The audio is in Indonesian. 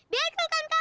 betul kan kawan